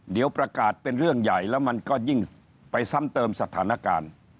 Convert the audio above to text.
เดี๋ยวประกาศเป็นเรื่องใหญ่แล้วมันก็ยิ่งไปซ้ำเติมสถานการณ์